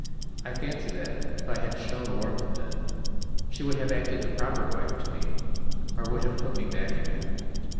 I fancy that, if I had shown warmth then, she would have acted the proper wife to me, or would have put me back again.